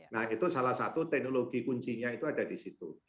nah itu salah satu teknologi kuncinya itu ada di situ